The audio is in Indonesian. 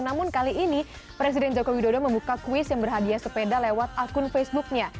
namun kali ini presiden joko widodo membuka kuis yang berhadiah sepeda lewat akun facebooknya